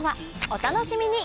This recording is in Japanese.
お楽しみに！